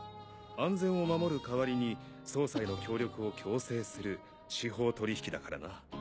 安全を守る代わりに捜査への協力を強制する司法取引だからな。